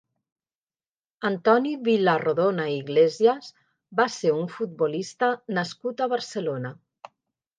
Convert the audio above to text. Antoni Vilarrodona i Iglesias va ser un futbolista nascut a Barcelona.